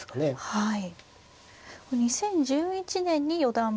はい。